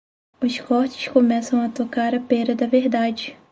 Os cortes começam a tocar a pêra da verdade.